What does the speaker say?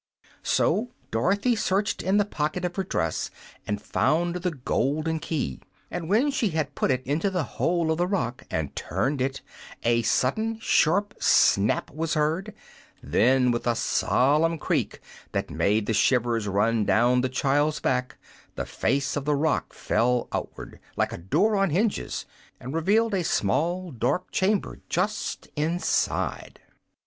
So Dorothy searched in the pocket of her dress and found the golden key. And when she had put it into the hole of the rock, and turned it, a sudden sharp snap was heard; then, with a solemn creak that made the shivers run down the child's back, the face of the rock fell outward, like a door on hinges, and revealed a small dark chamber just inside.